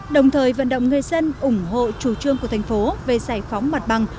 đồng thời vận động người dân ủng hộ chủ trương của thành phố về giải phóng mặt bằng